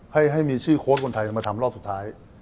ให้มีชื่อโค้ชคนไทยมาทำรอบสุดท้าย